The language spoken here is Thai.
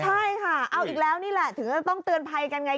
ใช่ค่ะเอาอีกแล้วนี่แหละถึงจะต้องเตือนภัยกันไง